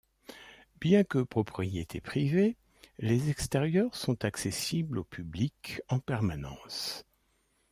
Bien que propriété privée, les extérieurs sont accessibles au public en permanence.